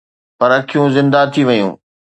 پر اکيون زنده ٿي ويون